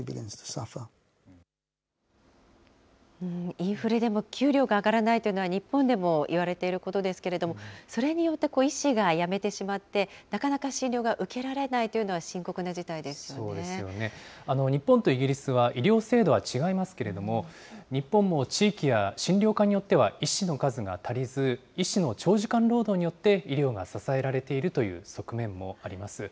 インフレでも給料が上がらないというのは、日本でもいわれていることですけれども、それによって医師が辞めてしまって、なかなか診療が受けられない日本とイギリスは医療制度は違いますけれども、日本も地域や診療科によっては医師の数が足りず、医師の長時間労働によって、医療が支えられているという側面もあります。